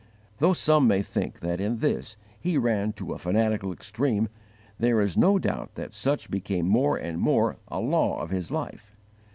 Though some may think that in this he ran to a fanatical extreme, there is no doubt that such became more and more a law of his life.